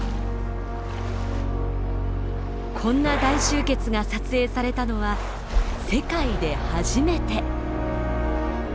こんな大集結が撮影されたのは世界で初めて。